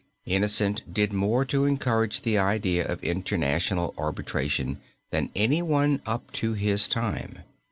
Innocent did more to encourage the idea of international arbitration than anyone up to his time.